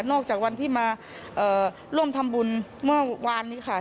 จากวันที่มาร่วมทำบุญเมื่อวานนี้ค่ะ